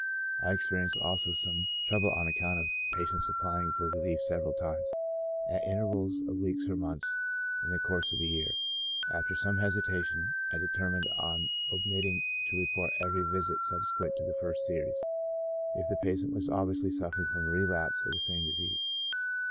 I experi enced also some trouble on account of patients applying for relief several times, at intervals of weeks or months, in the course of the year ; after some hesitation, I determined on omitting to report every visit subsequent to the first series, if the patient was obviously suffering from a relapse of the same disease.